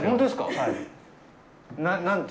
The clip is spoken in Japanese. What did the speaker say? はい。